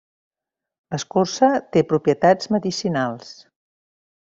L'escorça té propietats medicinals.